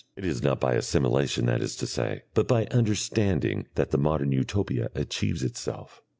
It is not by assimilation, that is to say, but by understanding that the modern Utopia achieves itself.